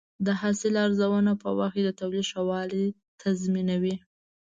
د حاصل ارزونه په وخت کې د تولید ښه والی تضمینوي.